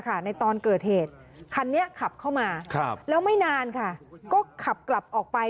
คันนี้ขับเข้ามาแล้วไม่นานค่ะก็ขับกลับออกไป